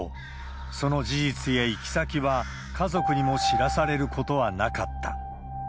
その事実や行き先は、家族にも知らされることはなかった。